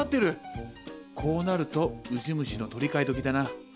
こうなるとウジ虫の取り替えどきだな。